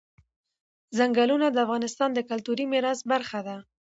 چنګلونه د افغانستان د کلتوري میراث برخه ده.